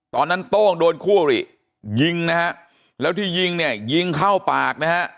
โต้งโต้งโดนคู่อริยิงนะฮะแล้วที่ยิงเนี่ยยิงเข้าปากนะฮะ